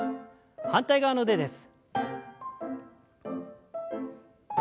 反対側の腕です。